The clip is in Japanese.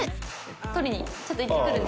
取りにちょっと行ってくるね。